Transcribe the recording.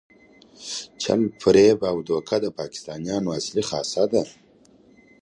چل، فریب او دوکه د پاکستانیانو اصلي خاصه ده.